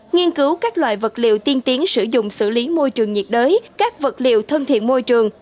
nghiên cứu các loại vật liệu tiên tiến sử dụng xử lý môi trường nhiệt đới các vật liệu thân thiện môi trường